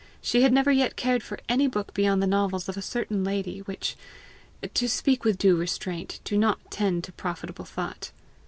She had never yet cared for any book beyond the novels of a certain lady which, to speak with due restraint, do not tend to profitable thought.